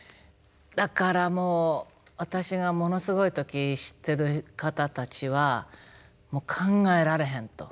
だからもう私がものすごい時知ってる方たちは考えられへんと。